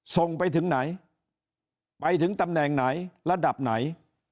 ส่งไปถึงไหนไปถึงตำแหน่งไหนระดับไหน